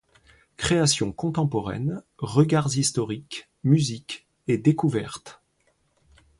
Création contemporaine, regards historiques, musique et découvertes.